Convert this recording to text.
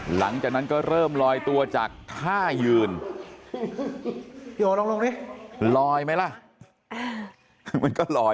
หลังจากนั้นก็เริ่มลอยตัวจากท่ายืนลอยมั้ยล้า